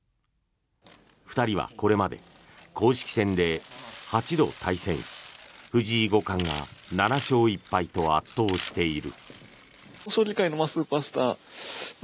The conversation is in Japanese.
２人はこれまで公式戦で８度対戦し藤井五冠が７勝１敗と圧倒している。